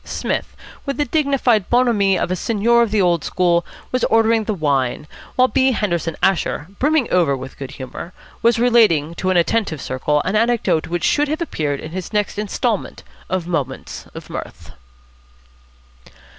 Psmith, with the dignified bonhomie of a seigneur of the old school, was ordering the wine; while B. Henderson Asher, brimming over with good humour, was relating to an attentive circle an anecdote which should have appeared in his next instalment of "Moments of Mirth."